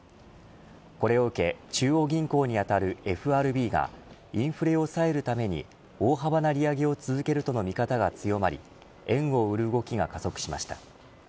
これを受け中央銀行にあたるＦＲＢがインフレを抑えるために大幅な利上げを続けるとの見方が強まり円を売る動きが加速しました。